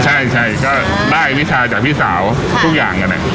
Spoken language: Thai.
ใช่ก็ได้วิชาจากพี่สาวทุกอย่างกัน